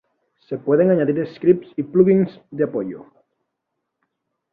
Se pueden añadir scripts y plugins de apoyo.